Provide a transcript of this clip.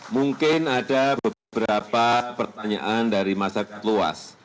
mungkin ada beberapa pertanyaan dari masyarakat luas